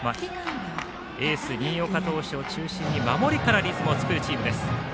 エース新岡投手を中心に守りからリズムを作るチームです。